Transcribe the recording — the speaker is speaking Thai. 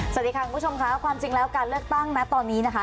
สวัสดีค่ะคุณผู้ชมค่ะความจริงแล้วการเลือกตั้งนะตอนนี้นะคะ